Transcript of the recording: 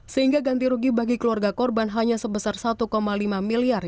sehingga ganti rugi bagi keluarga korban hanya sebesar rp satu lima miliar